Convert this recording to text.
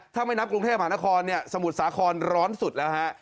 ถ้าไม่นับกรุงเทพหานครเนี่ยสมุทรสาครร้อนสุดแล้วฮะ